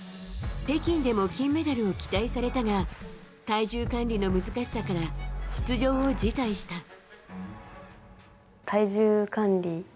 北京でも金メダルを期待されたが体重管理の難しさから出場を辞退した。